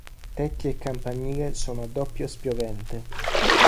Tetti e campanile sono a doppio spiovente.